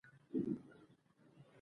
افغان ویاړ کلتوري مرکز